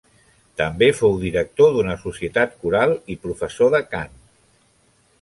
També fou director d'una societat coral i professor de cant.